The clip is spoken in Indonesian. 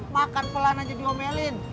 makan pelan aja diomelin